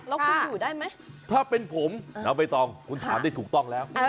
แล้วคุณอยู่ได้ไหมถ้าเป็นผมน้องใบตองคุณถามได้ถูกต้องแล้ว